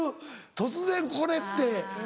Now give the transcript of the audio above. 突然これって。